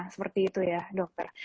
seperti itu ya dokter